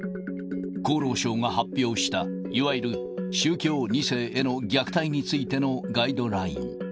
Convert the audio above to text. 厚労省が発表した、いわゆる宗教２世への虐待についてのガイドライン。